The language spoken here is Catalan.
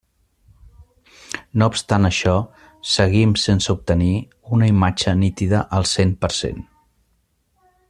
No obstant això, seguim sense obtenir una imatge nítida al cent per cent.